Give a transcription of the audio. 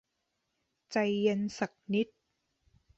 ใจเย็นสักนิด